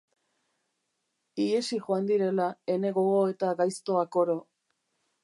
Ihesi joan direla ene gogoeta gaiztoak oro.